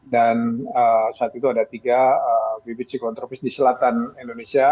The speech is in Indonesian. dan saat itu ada tiga bibit siklon tropis di selatan indonesia